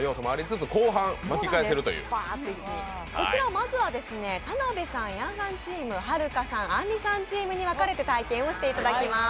まずは、田辺さん、やんちゃんチーム、はるかさん、あんりさんチームに分かれて体験していただきます。